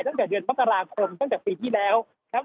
ตั้งแต่เดือนมกราคมตั้งแต่ปีที่แล้วครับ